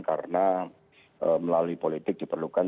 karena melalui politik diperlukan